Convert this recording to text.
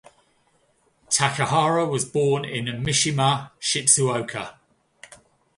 Takahara was born in Mishima, Shizuoka.